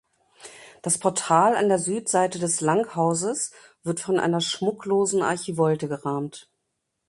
Das Portal an der Südseite des Langhauses wird von einer schmucklosen Archivolte gerahmt.